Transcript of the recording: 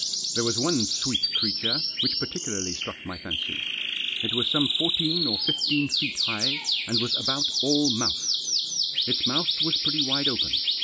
There was one sweet creature which particu larly struck my fancy. It was some fourteen or fifteen feet high, and was about all mouth. Its mouth was pretty wide open.